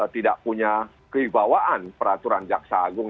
tidak punya kewibawaan peraturan jaksa agung